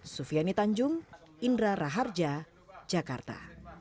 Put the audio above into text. sufiani tanjung indra raharja jakarta